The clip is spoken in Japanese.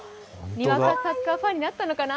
みんなサッカーファンになったのかな？